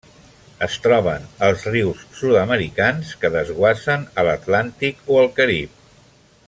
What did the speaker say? Es troben als rius sud-americans que desguassen a l'Atlàntic o el Carib.